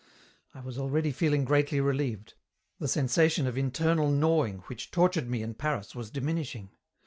"I was already feeling greatly relieved. The sensation of internal gnawing which tortured me in Paris was diminishing.